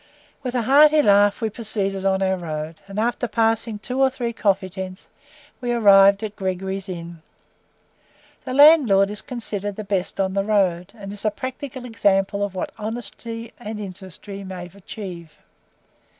With a hearty laugh, we proceeded on our road, and after passing two or three coffee tents, we arrived at Gregory's Inn. The landlord is considered the best on the road, and is a practical example of what honesty and industry may achieve.